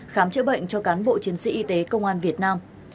khám chữa bệnh cho cán bộ chiến sĩ y tế công an việt nam